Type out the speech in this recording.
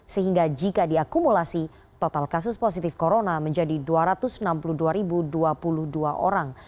sehingga jika diakumulasi total kasus positif corona menjadi dua ratus enam puluh dua dua puluh dua orang